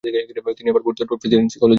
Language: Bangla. তিনি আবার ভর্তি হন প্রেসিডেন্সী কলেজে।